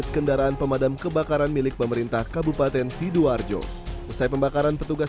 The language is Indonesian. kendaraan pemadam kebakaran milik pemerintah kabupaten sidoarjo usai pembakaran petugas